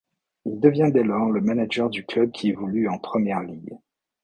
Il devient dès lors le manager du club qui évolue en Premier League.